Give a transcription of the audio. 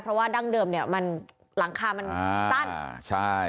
เพราะว่าดั้งเดิมเนี่ยมันหลังคามันสั้นอ่าใช่